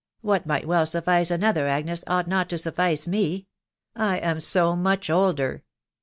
What might well suffice another, Agnes, ought not to suffice me .... I am so much older."